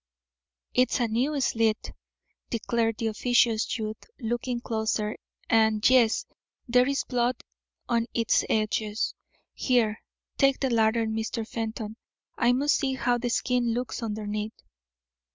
"It's a new slit," declared the officious youth, looking closer, "and yes there's blood on its edges. Here, take the lantern, Mr. Fenton, I must see how the skin looks underneath.